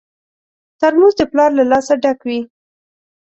ترموز د پلار له لاسه ډک وي.